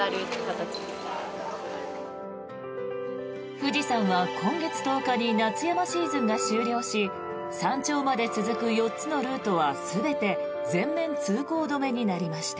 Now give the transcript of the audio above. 富士山は今月１０日に夏山シーズンが終了し山頂まで続く４つのルートは全て全面通行止めになりました。